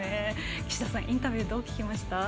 岸田さん、インタビューどう聞きました？